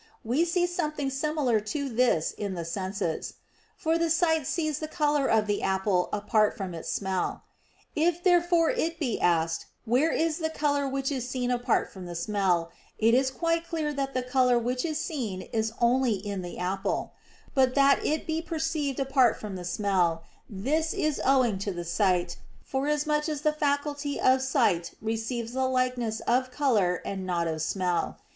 We see something similar to this is in the senses. For the sight sees the color of the apple apart from its smell. If therefore it be asked where is the color which is seen apart from the smell, it is quite clear that the color which is seen is only in the apple: but that it be perceived apart from the smell, this is owing to the sight, forasmuch as the faculty of sight receives the likeness of color and not of smell.